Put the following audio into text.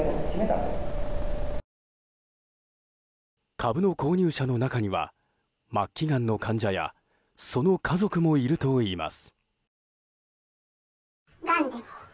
株の購入者の中には末期がんの患者やその家族もいるといいます。